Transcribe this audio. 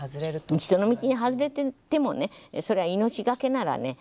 人の道に外れててもねそれは命懸けならね